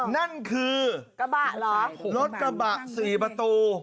นั่นคือรถกระบะ๔ประตู